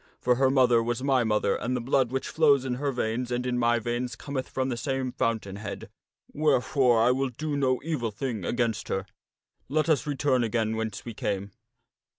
For her mother was my mother, and the blood which flows in her veins and in my veins cometh from the same fountain head, wherefore I will do no evil thing against her. Let us return again whence we came."